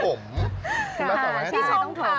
คุณแม่สอนไว้ให้ตมต้องถม